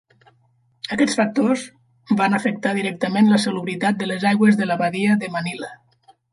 Aquests factors van afectar directament la salubritat de les aigües de la badia de Manila.